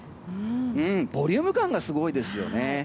ボリューム感がすごいですよね。